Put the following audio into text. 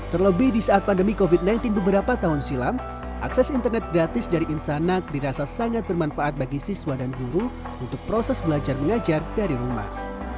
terlebih di saat pandemi covid sembilan belas beberapa tahun silam akses internet gratis dari insanak dirasa sangat bermanfaat bagi siswa dan guru untuk proses belajar mengajar dari rumah